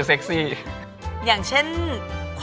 แต่น้องไม่ยอมค่ะ